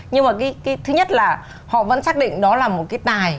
nhưng mà cái thứ nhất là họ vẫn xác định đó là một cái tài